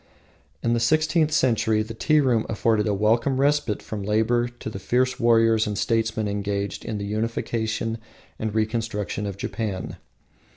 In the sixteenth century the tea room afforded a welcome respite from labour to the fierce warriors and statesmen engaged in the unification and reconstruction of Japan.